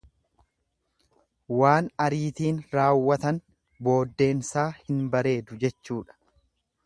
Waan aritiin raawwatan booddeensaa hin bareedu jechuudha.